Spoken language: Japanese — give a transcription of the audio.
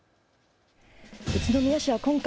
宇都宮市は今回、